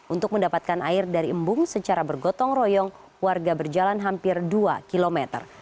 untuk mendapatkan air dari embung secara bergotong royong warga berjalan hampir dua km